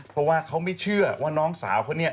เพราะว่าเขาไม่เชื่อว่าน้องสาวเขาเนี่ย